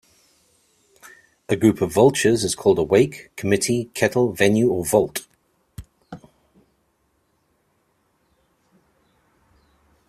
A group of vultures is called a wake, committee, kettle, venue, or volt.